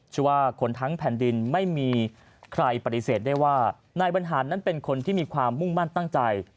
ชื่อว่าคนทั้งแผ่นดินไม่มีใครปฏิเสธได้ว่านายบรรหารนั้นเป็นคนที่มีความมุ่งมั่นตั้งใจ